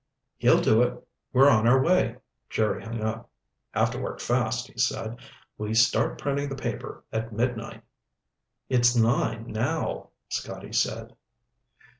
"He'll do it. We're on our way." Jerry hung up. "Have to work fast," he said. "We start printing the paper at midnight." "It's nine now," Scotty said.